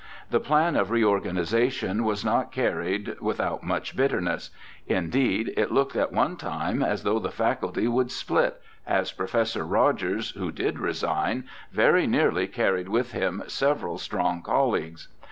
The plan of reorganization was not carried without much bitterness ; indeed, it looked at one time as though the faculty would split, as Professor Rogers, who did resign, very nearly carried with him several strong colleagues.